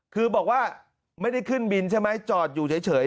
คือบอกว่าไม่ได้ขึ้นบินใช่ไหมจอดอยู่เฉย